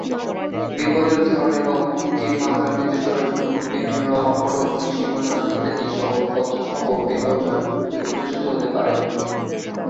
বিপদের ধরন এবং হুমকির মাত্রা নির্দিষ্ট করার জন্য বিভিন্ন রঙ, পটভূমি, সীমানা ইত্যাদি তথ্য সহ বিপজ্জনক প্রতীক প্রদর্শিত হতে পারে।